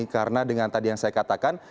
karena dengan tadi yang saya katakan